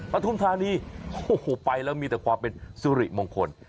ทุมธานีโอ้โหไปแล้วมีแต่ความเป็นสุริมงคล